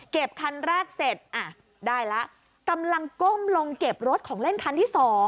คันแรกเสร็จอ่ะได้แล้วกำลังก้มลงเก็บรถของเล่นคันที่๒